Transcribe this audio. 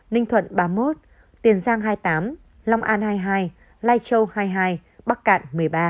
năm mươi chín ninh thuận ba mươi một tiền giang hai mươi tám long an hai mươi hai lai châu hai mươi hai bắc cạn một mươi ba